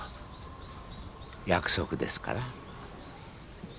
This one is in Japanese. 約束ですから。